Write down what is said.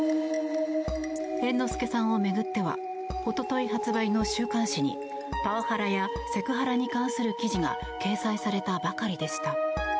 猿之助さんを巡っては一昨日発売の週刊誌にパワハラやセクハラに関する記事が掲載されたばかりでした。